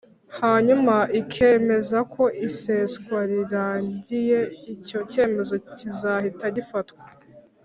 hanyuma ikemeza ko iseswa rirangiye icyo cyemezo kizahita gifatwa